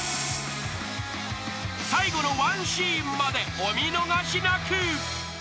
［最後のワンシーンまでお見逃しなく］